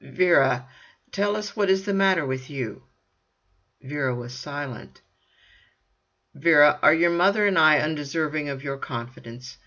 "Vera, tell us what is the matter with you?" Vera was silent. "Vera, are your mother and I undeserving of your confidence?